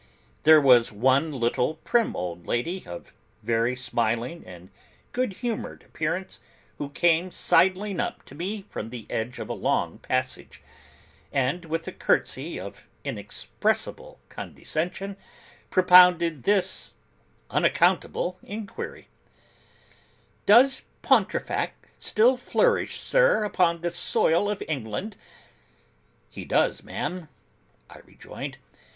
There was one little, prim old lady, of very smiling and good humoured appearance, who came sidling up to me from the end of a long passage, and with a curtsey of inexpressible condescension, propounded this unaccountable inquiry: 'Does Pontefract still flourish, sir, upon the soil of England?' 'He does, ma'am,' I rejoined.